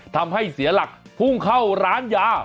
ทำให้เสียหลักพุ่งเข้าร้านยา